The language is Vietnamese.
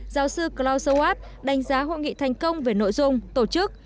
giáo sư klaus schwab đánh giá hội nghị thành công về nội dung tổ chức